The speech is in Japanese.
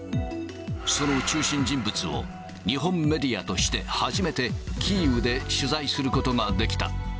その中心人物を、日本メディアとして初めて、キーウで取材することができた。